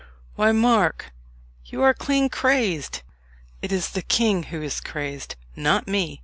"Why, Mark, you are clean crazed!" "It is the king who is crazed, not me!"